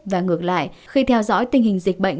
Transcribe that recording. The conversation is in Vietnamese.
và ngược lại khi theo dõi tình hình dịch bệnh